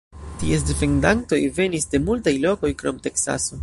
Ties defendantoj venis de multaj lokoj krom Teksaso.